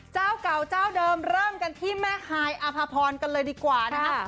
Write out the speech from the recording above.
เจ้าเก่าเจ้าเดิมเริ่มกันที่แม่ฮายอภพรกันเลยดีกว่านะคะ